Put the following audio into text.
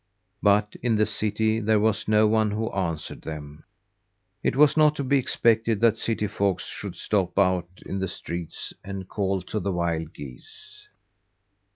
But in the city there was no one who answered them. It was not to be expected that city folks should stop out in the streets, and call to the wild geese.